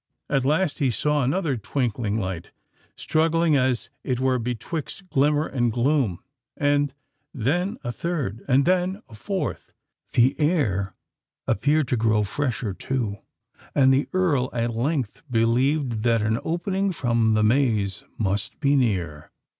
At last he saw another twinkling light, struggling as it were betwixt glimmer and gloom;—and then a third—and then a fourth. The air appeared to grow fresher too; and the Earl at length believed that an opening from the maze must be near.